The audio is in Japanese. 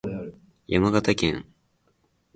山形県舟形町